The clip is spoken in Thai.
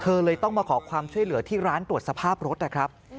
เลยต้องมาขอความช่วยเหลือที่ร้านตรวจสภาพรถนะครับ